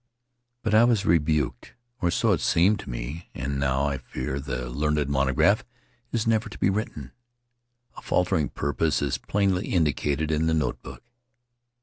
But I was rebuked — or so it seemed to me — and now, I fear, the learned monograph is never to be written. A faltering purpose is plainly indicated in the note book.